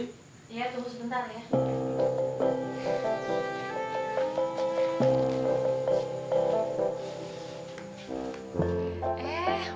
iya tunggu sebentar ya